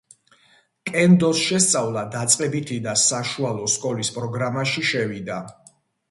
კენდოს შესწავლა დაწყებითი და საშუალო სკოლის პროგრამაში შევიდა.